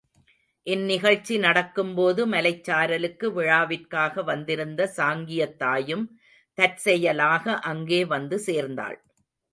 இந் நிகழ்ச்சி நடக்கும்போது மலைச் சாரலுக்கு விழாவிற்காக வந்திருந்த சாங்கியத் தாயும் தற்செயலாக அங்கே வந்து சேர்ந்தாள்.